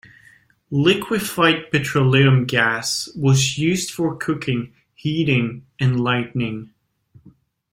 Liquified petroleum gas was used for cooking, heating and lighting.